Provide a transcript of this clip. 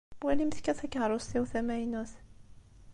Walimt kan takeṛṛust-iw tamaynut.